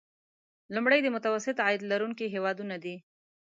لومړی د متوسط عاید لرونکي هیوادونه دي.